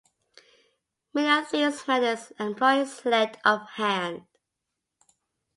Many of these methods employ sleight of hand.